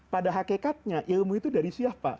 pada hakikatnya ilmu itu dari siapa